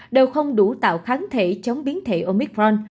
đều không đủ tạo kháng thể chống biến thể omicron